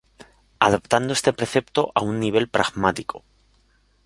Adaptando este precepto a un nivel pragmático.